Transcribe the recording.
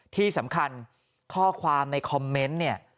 ที่สำคัญข้อความในคอมเมนต์เนี่ย